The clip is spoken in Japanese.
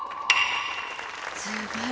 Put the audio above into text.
すごい！